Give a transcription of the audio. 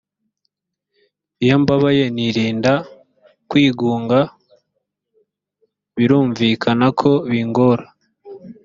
iyo mbabaye nirinda kwigunga birumvikana ko bingora